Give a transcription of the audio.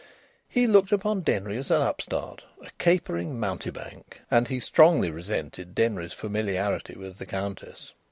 He looked upon Denry as an upstart, a capering mountebank, and he strongly resented Denry's familiarity with the Countess.